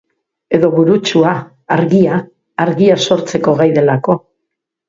Edo burutsua, argia, argia sortzeko gai delako.